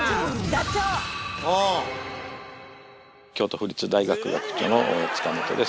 ダチョウあ京都府立大学学長の塚本です